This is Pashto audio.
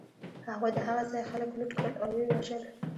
هغوی د هغه ځای خلک لوټ کړل او و یې وژل